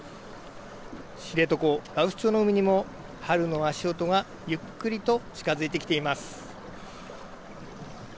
知床羅臼町の海にも春の足音がゆっくりと近づいてきています。